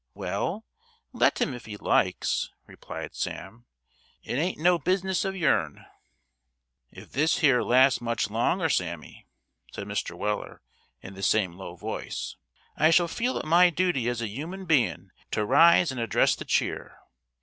"Well, let him if he likes," replied Sam; "it ain't no bis'ness of yourn." "If this here lasts much longer, Sammy," said Mr. Weller, in the same low voice, "I shall feel it my duty as a human bein' to rise and address the cheer.